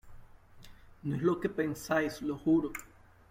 No es lo que pensáis, lo juro.